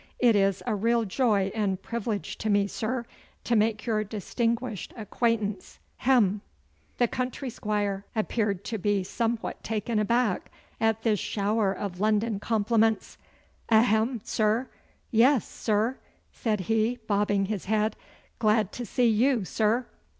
It is a real joy and privilege to me, sir, to make your distinguished acquaintance. Hem!' The country squire appeared to be somewhat taken aback at this shower of London compliments. 'Ahem, sir! Yes, sir!' said he, bobbing his head. 'Glad to see you, sir!